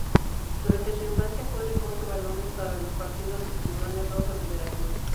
Durante su infancia fue recoge balones para los partidos del Tiburones Rojos de Veracruz.